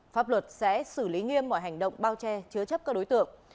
pháp luật sẽ xử lý nghiêm mọi hành động bao che chứa chấp các đối tượng